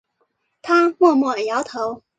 他默默摇头